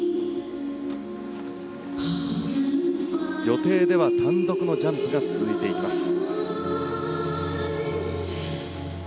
予定では単独のジャンプが続いていきます。